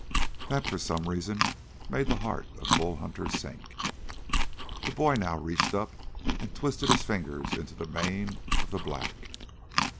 That, for some reason, made the heart of Bull Hunter sink. The boy now reached up and twisted his fingers into the mane of the black.